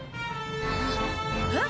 えっ？